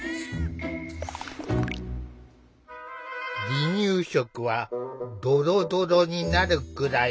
「離乳食はドロドロになるくらい」。